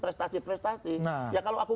prestasi prestasi ya kalau aku